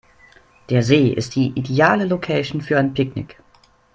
Der See ist die ideale Location für ein Picknick.